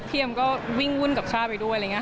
พี่เรายิ่งวุ่นเชื้อกับชาวไปด้วย